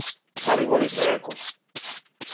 Да ли волиш реку?